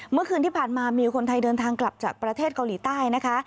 เมื่อคืนที่ผ่านมามีคนไทยเดินทางกลับจากประเทศเกาหลีใต้นะคะ